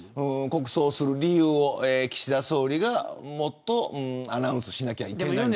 国葬する理由を岸田総理がアナウンスしなければいけない。